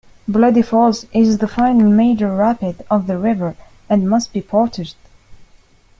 Bloody Falls is the final major rapid of the river, and must be portaged.